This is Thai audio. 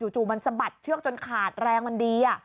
จู่มันสะบัดเชือกจนขาดแรงมันดี